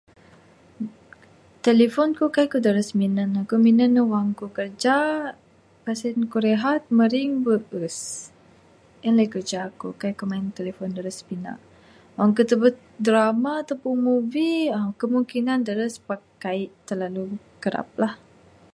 Telefon ku kai ku deras minan ne ku minan ne wang ku kerja mbeh sen ku rehat mering beus, en lai kerja ku kai ku main handphone deras bina. Wang ku tebuk drama atau movie kemungkinan deras tapi kai terlalu keraplah.